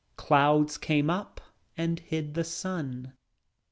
Clouds came up and hid the sun.